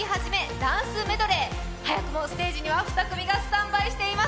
ダンスメドレー早くもステージには、２組がスタンバイしています。